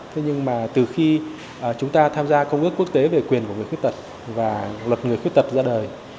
thế nhưng mà từ khi chúng ta tham gia công ước quốc tế về quyền của người khuyết tật và luật người khuyết tật ra đời